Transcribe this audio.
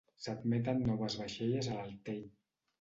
S'admeten noves vaixelles a l'altell.